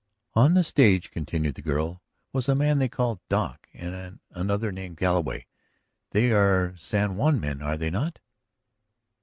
"On the stage," continued the girl, "was a man they called Doc; and another named Galloway. They are San Juan men, are they not?"